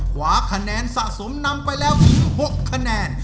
ขวาคะแนนสะสมนำไปแล้วถึง๖คะแนน